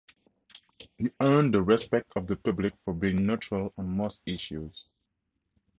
He earned the respect of the public for being neutral on most issues.